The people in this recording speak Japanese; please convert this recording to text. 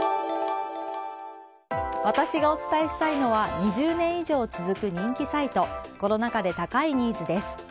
私がお伝えしたいのは２０年以上続く人気サイトコロナ禍で高いニーズです。